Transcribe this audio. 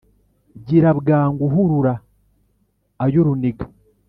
gira bwangu, hurura ay'uruniga,